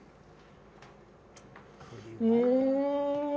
うん！